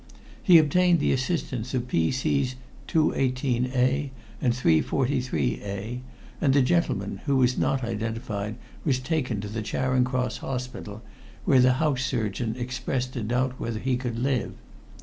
He obtained the assistance of P.C.'s 218A and 343A, and the gentleman, who was not identified, was taken to the Charing Cross Hospital, where the house surgeon expressed a doubt whether he could live.